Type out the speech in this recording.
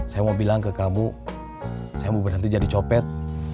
saya mau bilang ke kamu saya mau berhenti jadi copet